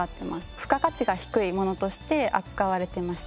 付加価値が低いものとして扱われていました。